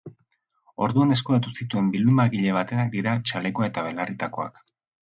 Orduan eskuratu zituen bildumagile batenak dira txalekoa eta belarritakoak.